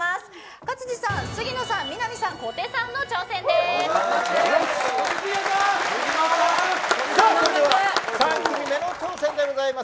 勝地さん、杉野さん南さん、小手さんの挑戦です。